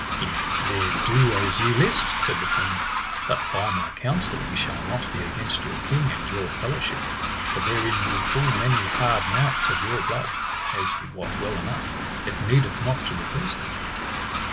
Ye may there do as ye list, said the queen, but by my counsel ye shall not be against your king and your fellowship. For therein be full many hard knights of your blood, as ye wot well enough, it needeth not to rehearse them.